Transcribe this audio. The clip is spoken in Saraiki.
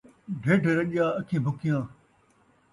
ڈھڈھ رڄا ، اکھیں بکھیاں